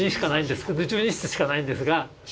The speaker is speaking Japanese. １２室しかないんですが。